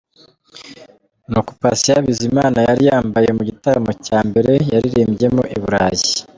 Ni uku Patient Bizimana yari yambaye mu gitaramo cya mbere yaririmbyemo i burayi.